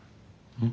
うん？